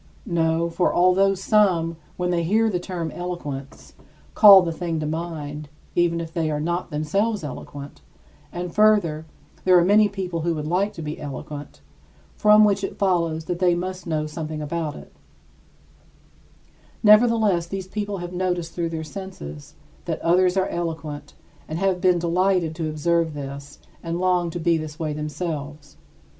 No, for although some, when they hear the term eloquence, call the thing to mind, even if they are not themselves eloquent and further, there are many people who would like to be eloquent, from which it follows that they must know something about it nevertheless, these people have noticed through their senses that others are eloquent and have been delighted to observe this and long to be this way themselves.